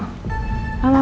tidak tidak tidak